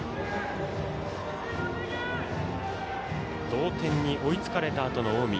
同点に追いつかれたあとの近江。